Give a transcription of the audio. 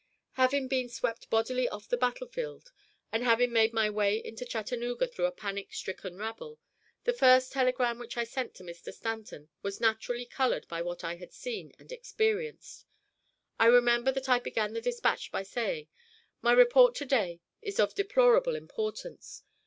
Having been swept bodily off the battlefield, and having made my way into Chattanooga through a panic stricken rabble, the first telegram which I sent to Mr. Stanton was naturally colored by what I had seen and experienced. I remember that I began the dispatch by saying: "My report to day is of deplorable importance.